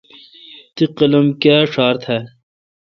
تی قلم کیا ڄھار تھال؟